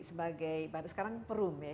sebagai pada sekarang perum ya